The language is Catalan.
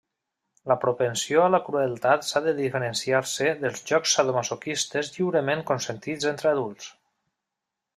La propensió a la crueltat s'ha de diferenciar-se dels jocs sadomasoquistes lliurement consentits entre adults.